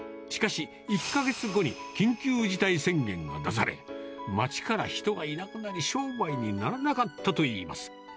しかし、１か月後に緊急事態宣言が出され、町から人がいなくなり、商売にならなかったといいます。